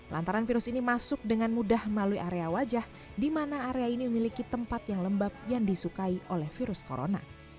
lantaran virus ini masuk dengan mudah melalui area wajah di mana area ini memiliki tempat yang lembab yang disukai oleh virus corona